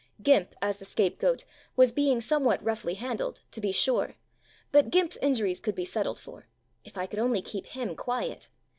"Gimp," as the scapegoat, was being somewhat roughly handled, to be sure, but "Gimp's" injuries could be settled for. If I could only keep him quiet